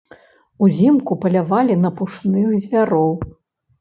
Узімку палявалі на пушных звяроў.